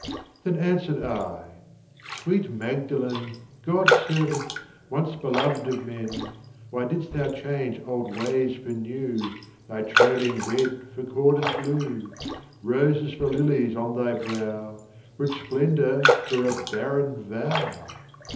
Then answered I "Sweet Magdalen, God's servant, once beloved of men, Why didst thou change old ways for new, Thy trailing red for corded blue, Roses for lilies on thy brow, Rich splendour for a barren vow?"